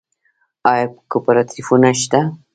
آیا کوپراتیفونه شته؟